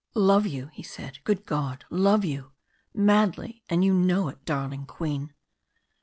"Love you!" he said. "Good God! Love you! Madly, and you know it, darling Queen."